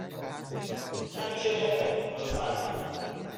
کمی ژل مو، لطفا.